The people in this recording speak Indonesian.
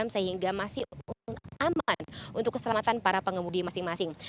sehingga masih aman untuk keselamatan para pengemudi masing masing